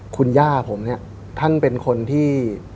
คุณย่าผมเนี่ยท่านเป็นคนที่